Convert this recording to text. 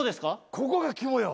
ここが肝よ！